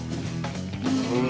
うん。